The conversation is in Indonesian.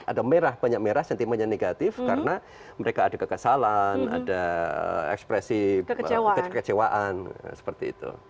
ada merah banyak merah sentimennya negatif karena mereka ada kekesalan ada ekspresi kekecewaan seperti itu